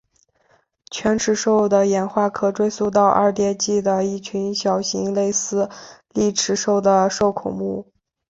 犬齿兽的演化可追溯到二叠纪的一群小型类似丽齿兽的兽孔目。